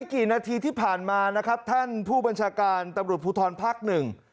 กี่นาทีที่ผ่านมานะครับท่านผู้บัญชาการตำรวจภูทรภักดิ์หนึ่ง